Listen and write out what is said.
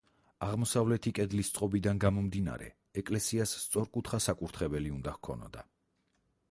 აღმოსავლეთი კედლის წყობიდან გამომდინარე, ეკლესიას სწორკუთხა საკურთხეველი უნდა ჰქონოდა.